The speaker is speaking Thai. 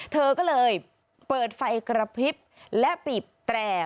เธอก็เลยเปิดไฟกระพริบและบีบแตร่